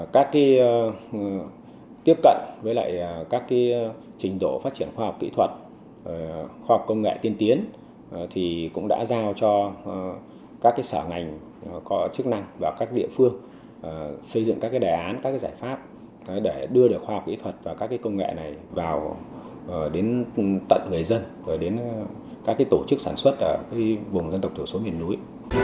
các tiếp cận với các trình độ phát triển khoa học kỹ thuật khoa học công nghệ tiên tiến cũng đã giao cho các xã ngành có chức năng và các địa phương xây dựng các đề án các giải pháp để đưa khoa học kỹ thuật và các công nghệ này vào tận người dân và đến các tổ chức sản xuất ở vùng dân tộc thiểu số miền núi